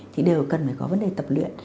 thì đều cần phải có vấn đề tập luyện